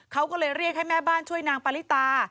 เขาก็เลยเรียกให้แม่บ้านช่วยนางปริตา